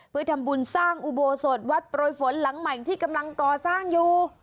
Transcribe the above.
เพื่อทำบุญสร้างอุโบสถวัดโปรยฝนหลังใหม่ที่กำลังก่อสร้างอยู่